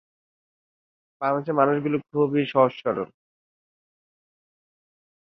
আগে এই ধারাবাহিকটির নাম ঠিক করা হয়েছিল "অক্সিজেন"।